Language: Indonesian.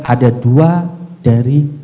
ada dua dari